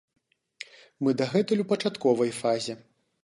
Мы дагэтуль у пачатковай фазе.